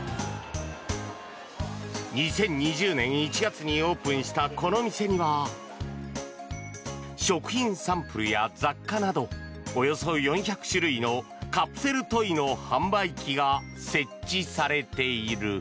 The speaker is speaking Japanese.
２０２０年１月にオープンしたこの店には食品サンプルや雑貨などおよそ４００種類のカプセルトイの販売機が設置されている。